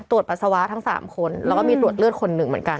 ปัสสาวะทั้ง๓คนแล้วก็มีตรวจเลือดคนหนึ่งเหมือนกัน